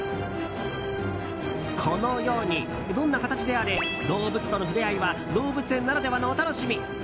このように、どんな形であれ動物との触れ合いは動物園ならではのお楽しみ。